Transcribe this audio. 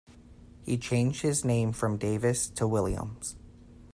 He changed his name from Davis to Williams.